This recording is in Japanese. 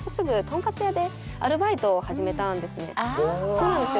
そうなんですよ。